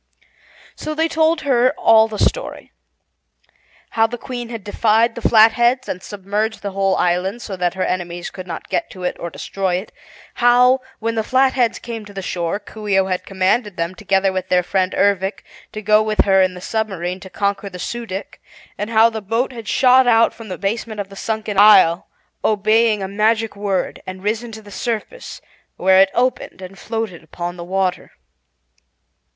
So they told her all the story: How the Queen had defied the Flatheads and submerged the whole island so that her enemies could not get to it or destroy it; how, when the Flatheads came to the shore, Coo ee oh had commanded them, together with their friend Ervic, to go with her in the submarine to conquer the Su dic, and how the boat had shot out from the basement of the sunken isle, obeying a magic word, and risen to the surface, where it opened and floated upon the water.